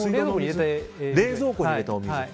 冷蔵庫に入れた水。